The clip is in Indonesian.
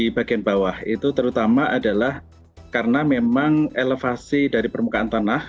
di bagian bawah itu terutama adalah karena memang elevasi dari permukaan tanah